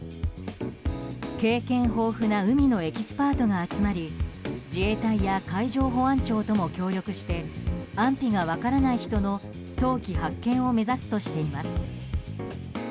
経験豊富な海のエキスパートが集まり自衛隊や海上保安庁とも協力して安否が分からない人の早期発見を目指すとしています。